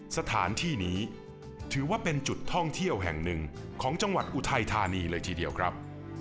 สถานที่นี้ถือว่าเป็นจุดท่องเที่ยวแห่งหนึ่งของจังหวัดอุทัยธานีเลยทีเดียวครับ